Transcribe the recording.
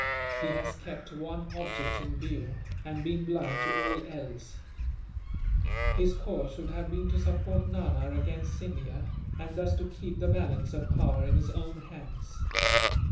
He has kept one object in view, and been blind to all else. "His course should have been to support Nana against Scindia, and thus to keep the balance of power in his own hands.